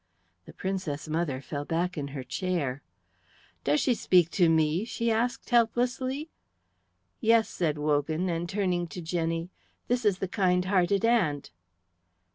The Princess mother fell back in her chair. "Does she speak to me?" she asked helplessly. "Yes," said Wogan; and turning to Jenny, "This is the kind hearted aunt."